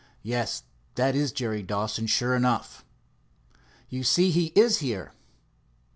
"Yes, that is Jerry Dawson, sure enough." "You see he is here."